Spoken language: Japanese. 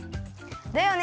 だよね！